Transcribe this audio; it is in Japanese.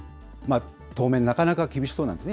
当面、なかなか厳しそうなんですね。